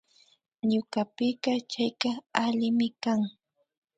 Ñukapika chayka allimi kan